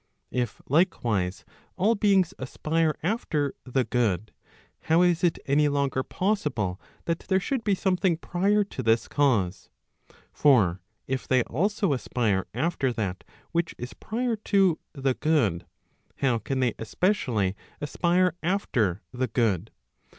If, likewise, all beings aspire after the good, how is it any longer possible that there should be something prior to this cause? For if they also aspire after that which is prior to the good, how can they especially aspire after the good?